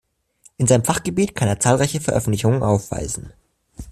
In seinem Fachgebiet kann er zahlreiche Veröffentlichungen aufweisen.